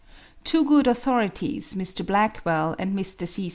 Two good authorities, Mr. Blackwall and Mr. C.